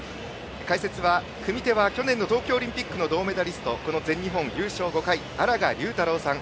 解説は、組手は去年の東京オリンピックの銅メダリストこの全日本、優勝５回荒賀龍太郎さん。